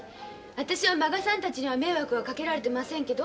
私は満賀さんたちには迷惑はかけられてませんけど。